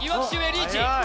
リーチ